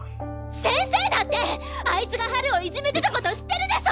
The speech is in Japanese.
先生だってあいつがハルをいじめてたこと知ってるでしょ！？